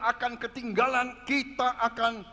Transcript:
akan ketinggalan kita akan